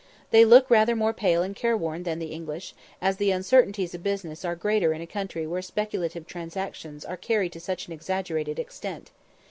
They look rather more pale and careworn than the English, as the uncertainties of business are greater in a country where speculative transactions are carried to such an exaggerated extent.